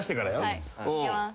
はいいきます。